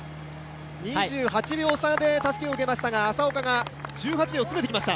２８秒差でたすきを受けましたが、浅岡が１８秒詰めてきました。